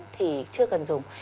thì chưa cần dùng